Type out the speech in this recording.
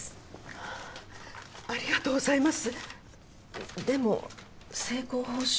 はぁありがとうございます。